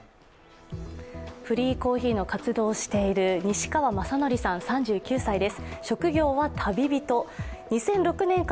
フリーコーヒーの活動をしている西川昌徳さん３９歳です。